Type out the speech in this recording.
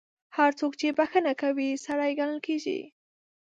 هر څوک چې بخښنه کوي، سړی ګڼل کیږي.